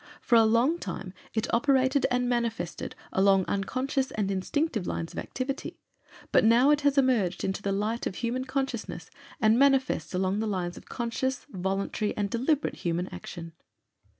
For a long time it operated and manifested along unconscious and instinctive lines of activity, but now it has emerged into the light of human consciousness and manifests along the lines of conscious, voluntary, and deliberate human action.